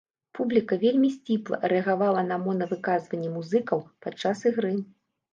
Публіка вельмі сціпла рэагавала на мона-выказванні музыкаў падчас ігры.